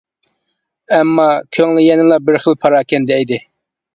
ئەمما، كۆڭلى يەنىلا بىر خىل پاراكەندە ئىدى.